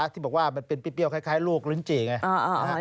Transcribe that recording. ที่บอกว่ามันเป็นเปรี้ยวคล้ายลูกลิ้นจี่ไง